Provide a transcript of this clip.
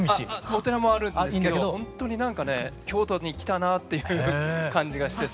お寺もあるんですけどほんとに何かね京都に来たなっていう感じがして。